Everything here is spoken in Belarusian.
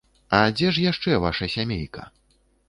А дзе ж яшчэ ваша сямейка?